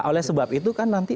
oleh sebab itu kan nanti